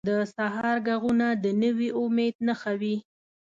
د سهار ږغونه د نوي امید نښه وي.